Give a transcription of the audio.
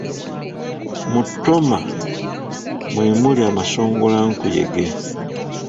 Mu ttooma mwe muli amasongolankuyege.